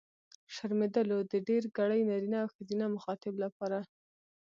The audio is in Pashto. شرمېدلو! د ډېرګړي نرينه او ښځينه مخاطب لپاره.